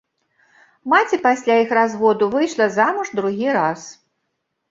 Маці пасля іх разводу выйшла замуж другі раз.